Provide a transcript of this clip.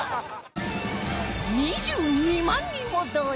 ２２万人も動員！